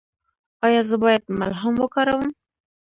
ایا زه باید ملهم وکاروم؟